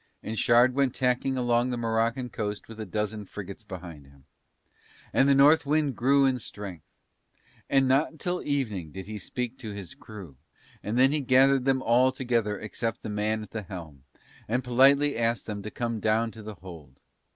And Shard went tacking along the Moroccan coast with a dozen frigates behind him. And the North wind grew in strength. And not till evening did he speak to his crew, and then he gathered them all together except the man at the helm, and politely asked them to come down to the hold.